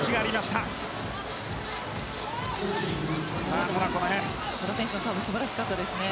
ただ和田選手のサーブ素晴らしかったですね。